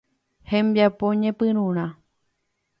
Hembiapo ñepyrũrã.